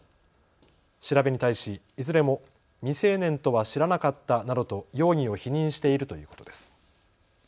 調べに対しいずれも未成年とは知らなかったなどと容疑を否認しているということです。